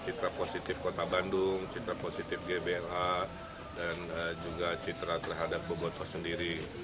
citra positif kota bandung citra positif gbla dan juga citra terhadap boboto sendiri